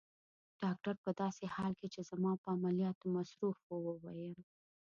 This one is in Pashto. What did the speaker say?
ډاکټر په داسې حال کې چي زما په عملیاتو مصروف وو وویل.